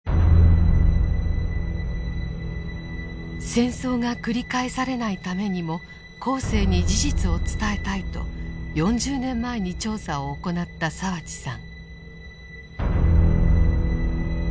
戦争が繰り返されないためにも後世に事実を伝えたいと４０年前に調査を行った澤地さん。